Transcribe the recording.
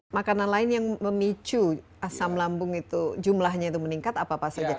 makanan lain yang memicu asam lambung itu jumlahnya itu meningkat apa apa saja